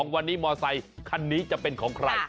วันนี้มอไซคันนี้จะเป็นของใคร